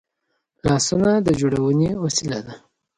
لاسونه د جوړونې وسیله ده